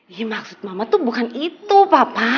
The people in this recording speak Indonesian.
ya maksud mama tuh bukan itu papa